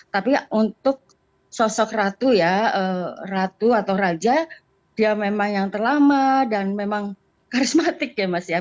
tapi untuk sosok ratu ya ratu atau raja dia memang yang terlama dan memang karismatik ya mas ya